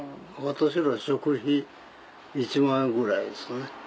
私ら食費１万円ぐらいですわね。